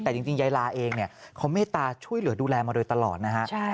แต่จริงยายลาเองเนี่ยเขาเมตตาช่วยเหลือดูแลมาโดยตลอดนะฮะ